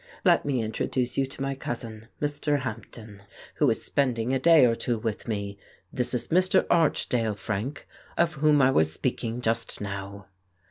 "Let me introduce to you my cousin, Mr. Hampden, who is spending a day or two with me. This is Mr. Arch dale, Frank, of whom I was speaking just now."